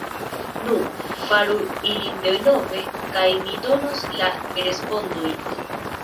Nu, faru ilin denove kaj mi donos la respondojn.